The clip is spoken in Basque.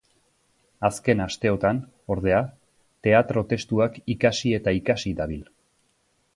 Azken asteotan, ordea, teatro-testuak ikasi eta ikasi dabil.